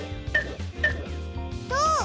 どう？